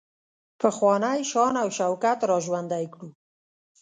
پخوانی شان او شوکت را ژوندی کړو.